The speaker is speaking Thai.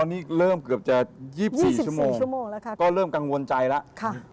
พอนี้เริ่มเกือบจะ๒๔ชั่วโมงก็เริ่มกังวลใจแล้ว